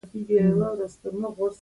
سپي د کور شاوخوا ګرځي.